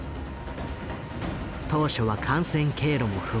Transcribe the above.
当初は感染経路も不明。